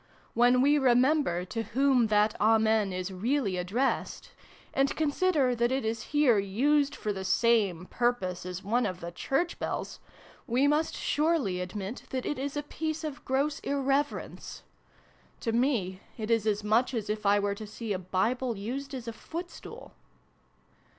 When we remember to Whom that " Amen " is really addressed, and con sider that it is here used for the same purpose as one of the Church bells, we must surely admit that it is a piece of gross irreverence ? To me it is much as if I were to see a Bible used as a footstool.